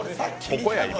ここや、今。